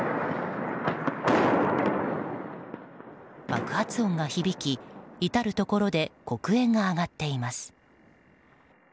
爆発音が響き至るところで黒煙が上がっています。